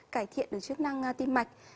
cải thiện được chức năng tim mạch